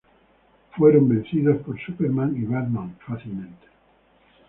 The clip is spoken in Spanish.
Ellos fueron vencidos por Superman y Batman fácilmente.